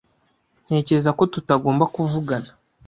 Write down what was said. Ntekereza ko tutagomba kuvugana.